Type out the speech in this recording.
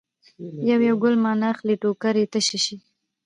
یو یو ګل مانه اخلي ټوکرۍ تشه شي.